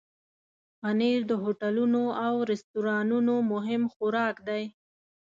پنېر د هوټلونو او رستورانونو مهم خوراک دی.